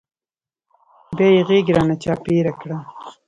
بيا يې غېږ رانه چاپېره کړه.